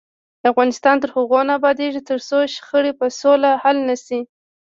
افغانستان تر هغو نه ابادیږي، ترڅو شخړې په سوله حل نشي.